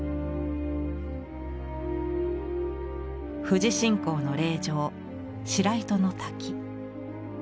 富士信仰の霊場白糸の滝。